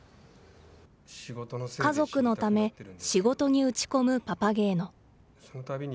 家族のため、仕事に打ち込むパパゲーノ。